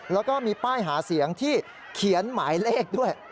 แล้วก็มีป้ายหาเสียงที่เขียนหมายเลขด้วย